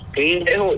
cái lễ hội